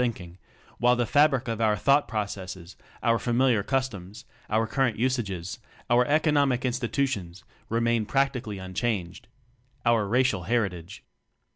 TECHNOCRACY 11 fabric of our thought processes, our familiar customs, our current usages, our economic institutions remain prac tically unchanged our racial heritage.